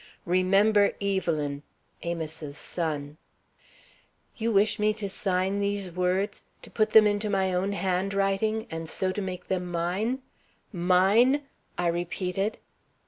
Remember Evelyn! AMOS'S SON. "You wish me to sign these words, to put them into my own handwriting, and so to make them mine? Mine!" I repeated.